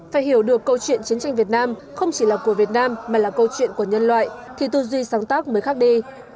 phải hiểu được câu chuyện chiến tranh việt nam không chỉ là của việt nam mà là câu chuyện của nhân loại thì tư duy sáng tác mới khác đi